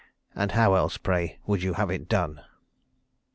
And how else, pray, would you have it done?"